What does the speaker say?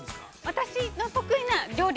◆私の得意な料理。